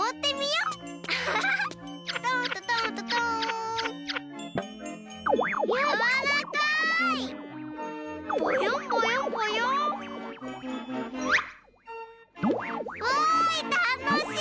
うわいたのしい！